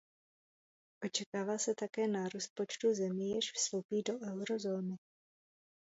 Očekává se také narůst počtu zemí, jež vstoupí do eurozóny.